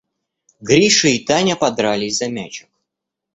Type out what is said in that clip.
Гриша и Таня подрались за мячик.